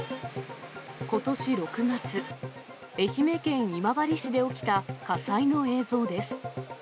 ことし６月、愛媛県今治市で起きた火災の映像です。